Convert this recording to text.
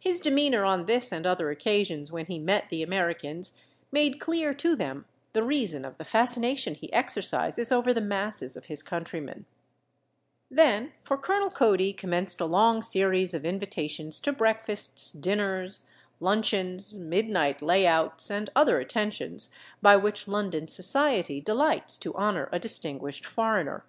His demeanor on this and other occasions when he met the Americans made clear to them the reason of the fascination he exercises over the masses of his countrymen. [Illustration: A REDSKIN VILLAGE IN A PALEFACE CITY LONDON.] Then for Colonel Cody commenced a long series of invitations to breakfasts, dinners, luncheons, midnight layouts, and other attentions by which London society delights to honor a distinguished foreigner.